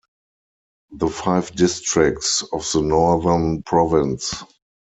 The five districts of the Northern Province.